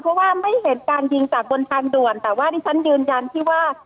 เพราะว่าไม่เห็นการยิงจากบนทางด่วนแต่ว่าที่ฉันยืนยันที่ว่า